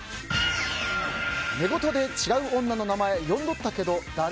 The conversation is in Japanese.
「寝言で違う女の名前呼んどったけど誰？」。